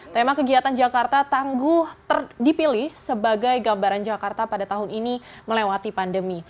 tema kegiatan jakarta tangguh dipilih sebagai gambaran jakarta pada tahun ini melewati pandemi